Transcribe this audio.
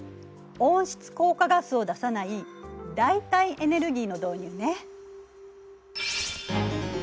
温室効果ガスを出さない代替エネルギー